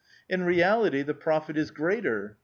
In reality the profit is greater.